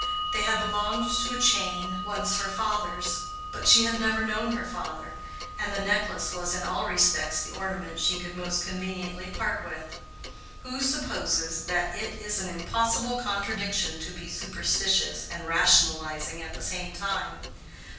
They had belonged to a chain once her father's: but she had never known her father; and the necklace was in all respects the ornament she could most conveniently part with. Who supposes that it is an impossible contradiction to be superstitious and rationalizing at the same time?